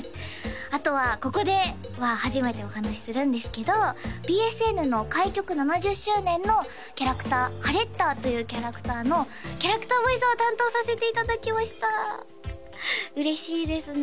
あとはここでは初めてお話しするんですけどＢＳＮの開局７０周年のキャラクター「ハレッタ」というキャラクターのキャラクターボイスを担当させていただきました嬉しいですね